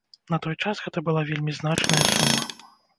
На той час гэта была вельмі значная сума.